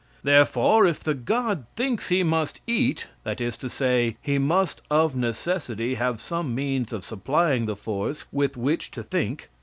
Therefore, if the god thinks he must eat, that is to say, he must of necessity have some means of supplying the force with which to think.